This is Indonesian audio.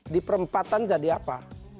di perempatan jadi apa